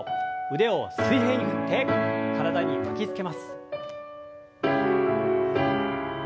腕を水平に振って体に巻きつけます。